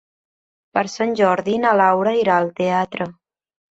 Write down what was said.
Per Sant Jordi na Laura irà al teatre.